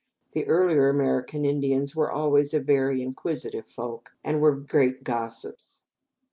The earlier American Indians were always a very inquisitive folk, and were great gossips.